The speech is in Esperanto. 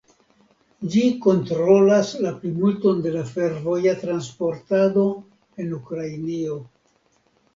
Ĝi kontrolas la plimulton de la fervoja transportado en Ukrainio.